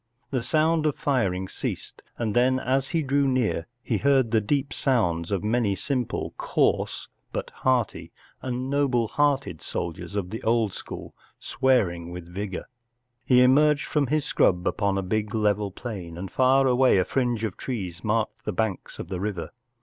The sound of firing ceased, and then as he drew near he heard the deep sounds of many simple, coarse, but hearty and noble hearted soldiers of the old school swearing with vigour. He emerged from his scrub upon a big level plain, and far away a fringe of trees marked the banks of the river.